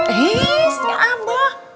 eh si abah